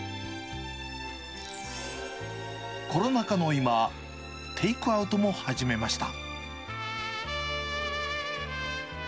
コロナ禍の今、テイクアウトも始めました。